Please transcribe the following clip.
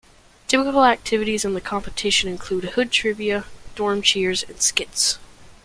Typical activities in the competition include Hood trivia, dorm cheers and skits.